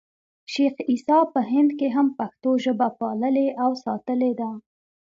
شېخ عیسي په هند کښي هم پښتو ژبه پاللـې او ساتلې ده.